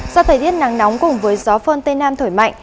do thời tiết nắng nóng cùng với gió phơn tây nam thổi mạnh